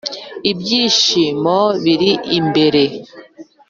ibyishimo biri imbere.